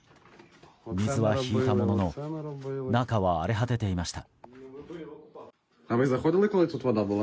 水は引いたものの中は荒れ果てていました。